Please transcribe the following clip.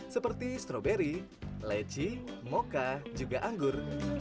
seperti stroberi leci mocha juga anggur